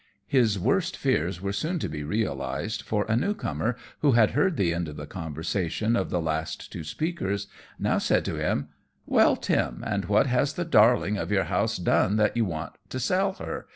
His worst fears were soon to be realized, for a new comer, who had heard the end of the conversation of the last two speakers, now said to him "Well, Tim, and what has the darling of your house done that you want to sell her?